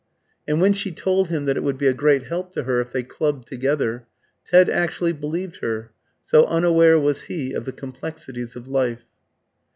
And when she told him that it would be a great help to her if they clubbed together, Ted actually believed her, so unaware was he of the complexities of life.